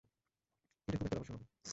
এটা খুব একটা রহস্য নয়।